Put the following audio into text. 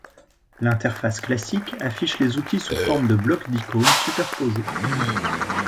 L'interface classique affiche les outils sous forme de blocs d'icônes superposés.